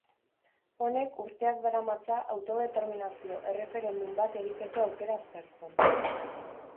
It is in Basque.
Honek urteak daramatza autodeterminazio erreferendum bat egiteko aukera aztertzen.